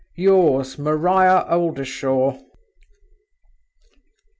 "Yours, MARIA OLDERSHAW."